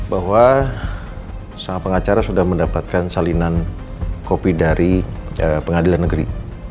bahwa sang pengacara sudah mendapatkan salinan kopi dari pengadilan negeri